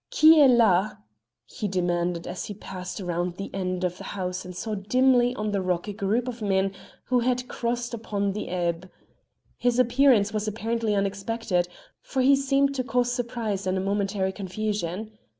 "Qui est la?" he demanded as he passed round the end of the house and saw dimly on the rock a group of men who had crossed upon the ebb. His appearance was apparently unexpected, for he seemed to cause surprise and a momentary confusion.